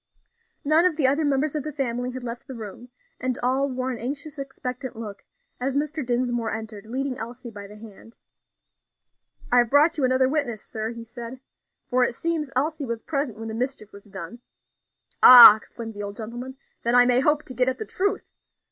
None of the other members of the family had left the room, and all wore an anxious, expectant look, as Mr. Dinsmore entered, leading Elsie by the hand. "I have brought you another witness, sir," he said, "for it seems Elsie was present when the mischief was done." "Ah!" exclaimed the old gentlemen; "then I may hope to get at the truth.